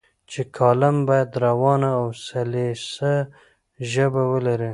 چې کالم باید روانه او سلیسه ژبه ولري.